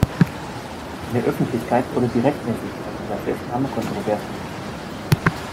In der Öffentlichkeit wurde die Rechtmäßigkeit dieser Festnahme kontrovers diskutiert.